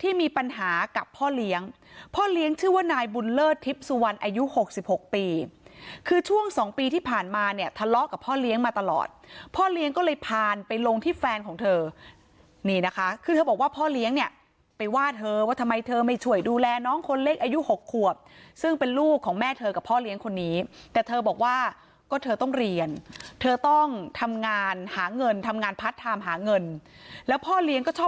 ที่ผ่านมาเนี้ยทะเลาะกับพ่อเลี้ยงมาตลอดพ่อเลี้ยงก็เลยผ่านไปลงที่แฟนของเธอนี่นะคะคือเธอบอกว่าพ่อเลี้ยงเนี้ยไปว่าเธอว่าทำไมเธอไม่ช่วยดูแลน้องคนเล็กอายุหกขวบซึ่งเป็นลูกของแม่เธอกับพ่อเลี้ยงคนนี้แต่เธอบอกว่าก็เธอต้องเรียนเธอต้องทำงานหาเงินทำงานพัดทำหาเงินแล้วพ่อเลี้ยงก็ชอบ